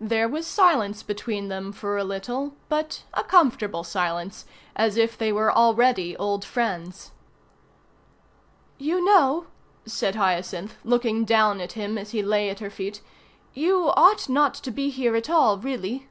There was silence between them for a little, but a comfortable silence, as if they were already old friends. "You know," said Hyacinth, looking down at him as he lay at her feet, "you ought not to be here at all, really."